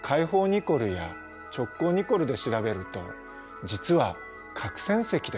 ニコルや直交ニコルで調べると実は角閃石です。